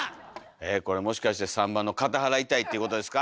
えこれもしかして３番の片腹痛いっていうことですか？